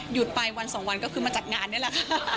หยุดไปวันสองวันก็คือมาจัดงานนี่แหละค่ะ